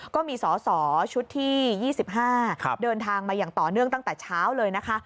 ก็มีสอสอชุดที่๒๕เดินทางมาอย่างต่อเนื่องตั้งแต่เช้าเลยนะคะ